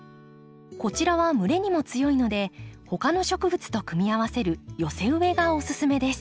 こちらは蒸れにも強いので他の植物と組み合わせる寄せ植えがおすすめです。